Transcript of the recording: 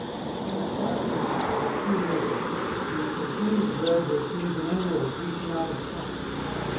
On the sides of that Wood are Two Meadows, whose continued Verdure seems an Emerauld reaching out of sight.